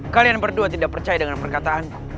kalian berdua tidak percaya dengan perkataan